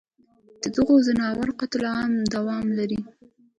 ددغو ځناورو قتل عام دوام لري